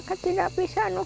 maka tidak bisa nuh